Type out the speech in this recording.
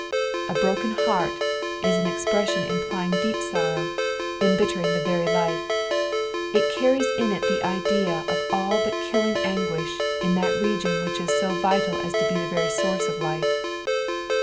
''A broken heart" ia an expression implying deep sorrow, embittering the very life ; it carries in it the idea of all but klUing anguish in that region which is so vital as to be the very source of life.